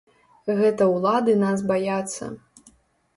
Гэта ўлады нас баяцца.